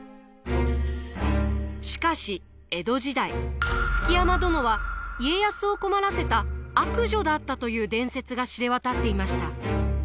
しかし江戸時代築山殿は家康を困らせた悪女だったという伝説が知れ渡っていました。